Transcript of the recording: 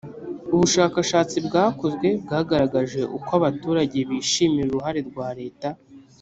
ubushakashatsi bwakozwe bwagaragaje uko abaturage bishimira uruhare rwa reta.